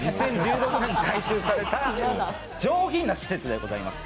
２０１６年に改修された上品な施設でございます。